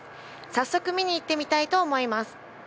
早速、見に行ってみたいと思います